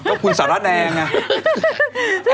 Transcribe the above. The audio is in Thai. ก็คุณสาวรัตนาแรงน่ะ